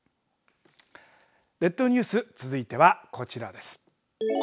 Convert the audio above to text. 列島ニュース続いてはこちらです。